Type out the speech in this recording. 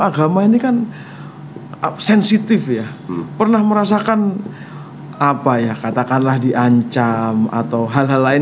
agama ini kan sensitif ya pernah merasakan apa ya katakanlah diancam atau hal hal lain